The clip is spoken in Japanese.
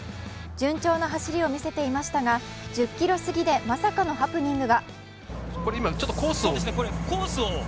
順調な走りを見せていましたが、１０ｋｍ過ぎでまさかのハプニングが。